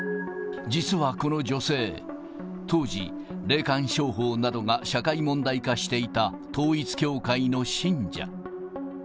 実はこの女性、当時、霊感商法などが社会問題化していた、統一教会の信者。